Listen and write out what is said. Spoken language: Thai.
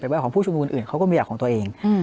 แบบของผู้ชูมูลอื่นเขาก็มีแบบของตัวเอง